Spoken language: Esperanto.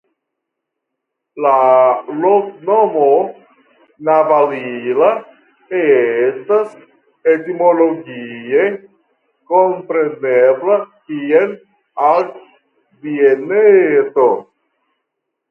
La loknomo "Navalilla" estas etimologie komprenebla kiel Altbieneto.